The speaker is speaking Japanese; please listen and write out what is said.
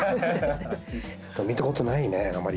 見たことないねあまり。